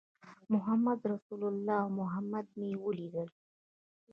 محمدرسول او محمد مې ولیدل.